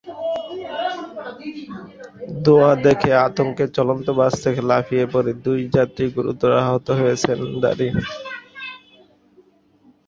ধোঁয়া দেখে আতঙ্কে চলন্ত বাস থেকে লাফিয়ে পড়ে দুই যাত্রী গুরুতর আহত হয়েছেন।